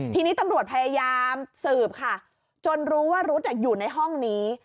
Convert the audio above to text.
ทีนี้ตำรวจพยายามสืบค่ะจนรู้ว่ารุ๊ดอยู่ในห้องนี้